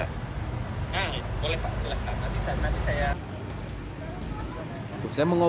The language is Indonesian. di situ ada semuanya